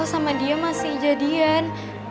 sama dia masih jadian